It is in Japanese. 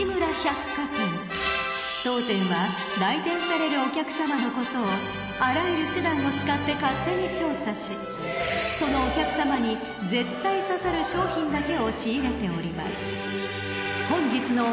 ［当店は来店されるお客さまのことをあらゆる手段を使って勝手に調査しそのお客さまに絶対刺さる商品だけを仕入れております］